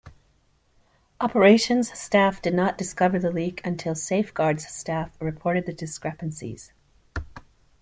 Operations staff did not discover the leak until safeguards staff reported the discrepancies.